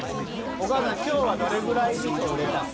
お母さん今日はどれぐらい味噌売れたん？